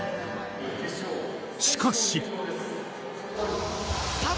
しかし。